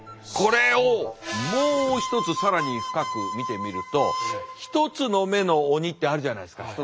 これをもう一つ更に深く見てみると一つの目の鬼ってあるじゃないですか。